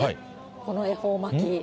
この恵方巻き。